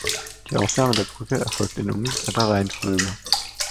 Die Aufnahme der Brücke erfolgt in umgekehrter Reihenfolge.